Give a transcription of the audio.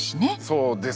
そうですね。